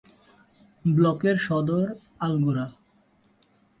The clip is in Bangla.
ব্লকের সদর আলগোরা।